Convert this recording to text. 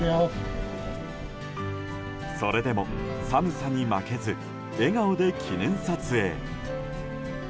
それでも寒さに負けず笑顔で記念撮影。